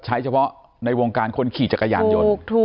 เฉพาะในวงการคนขี่จักรยานยนต์